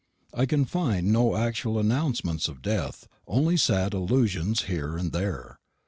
I can find no actual announcements of death, only sad allusions here and there.